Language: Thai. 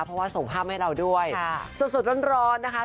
เพราะว่าส่งภาพให้เราด้วยค่ะส่วนสุดร้อนร้อนนะคะ